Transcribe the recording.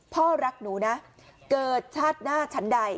พ่อรักหนูนะเกิดชาติหน้าชั้นใด